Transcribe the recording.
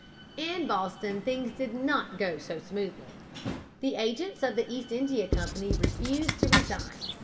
In Boston things did not go so smoothly. The agents of the East India Company refused to resign.